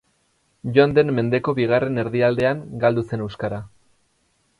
Joan den mendeko bigarren erdialdean galdu zen euskara.